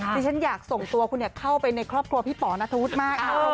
ที่ฉันอยากส่งตัวคุณเข้าไปในครอบครัวพี่ป๋อนัทธวุฒิมาก